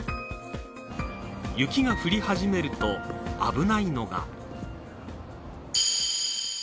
雪が降り始めると危ないのが。